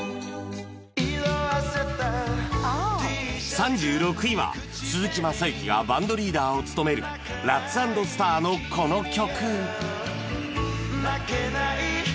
３６位は鈴木雅之がバンドリーダーを務めるラッツ＆スターのこの曲